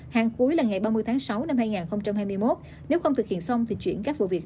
hàng cuối là ngày ba mươi tháng sáu năm hai nghìn hai mươi một nếu không thực hiện xong thì chuyển các vụ việc